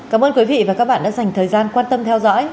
cảm ơn quý vị và các bạn đã dành thời gian quan tâm theo dõi